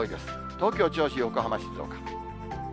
東京、銚子、横浜、静岡。